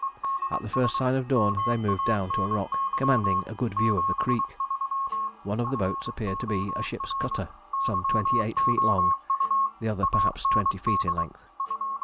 At the first sign of dawn they moved down to a rock, commanding a good view of the creek. One of the boats appeared to be a ship's cutter, some twenty eight feet long, the other perhaps twenty feet in length.